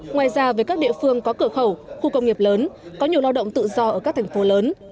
ngoài ra với các địa phương có cửa khẩu khu công nghiệp lớn có nhiều lao động tự do ở các thành phố lớn